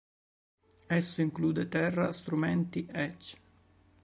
Esso include terra, strumenti, ecc.